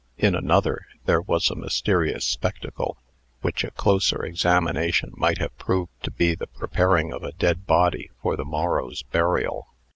In another, there was a mysterious spectacle, which a closer examination might have proved to be the preparing of a dead body for the morrow's burial.